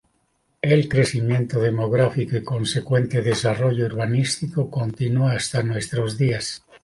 El crecimiento demográfico y consecuente desarrollo urbanístico continúa hasta nuestros días.